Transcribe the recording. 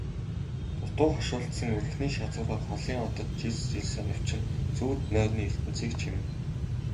Дутуу хошуулдсан өрхний шазуураар холын одод жирс жирс анивчин зүүд нойрны ертөнцийг чимнэ.